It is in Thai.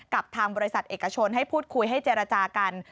กับทางบริษัทเอกชนให้พูดคุยให้เจรจากัน